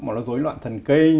mà nó dối loạn thần kinh